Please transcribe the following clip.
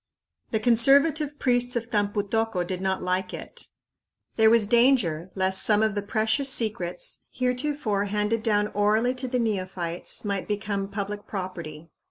The conservative priests of Tampu tocco did not like it. There was danger lest some of the precious secrets, heretofore handed down orally to the neophytes, might become public property.